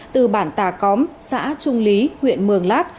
từ bản tà cóm xã trung lý huyện mường lát